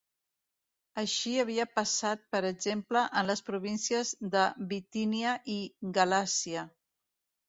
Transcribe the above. Així havia passat per exemple en les províncies de Bitínia i Galàcia.